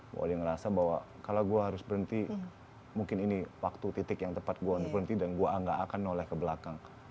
boleh ngerasa bahwa kalau gue harus berhenti mungkin ini waktu titik yang tepat gue berhenti dan gue gak akan noleh ke belakang